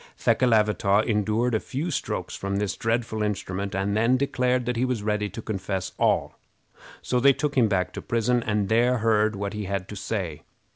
Thekelavitaw endured a few strokes from this dreadful instrument, and then declared that he was ready to confess all; so they took him back to prison and there heard what he had to say.